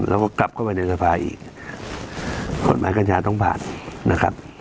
แล้วก็กลับเข้าไปในสภาอีกกฎหมายกัญชาต้องผ่านนะครับ